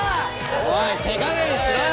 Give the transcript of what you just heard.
おい手加減しろよ！